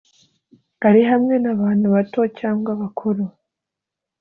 ari hamwe n'abantu bato cyangwa bakuru,